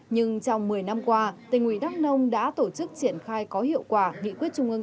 nhưng trong một mươi năm qua tỉnh ủy đắk nông đã tổ chức triển khai có hiệu quả nghị quyết trung ương bốn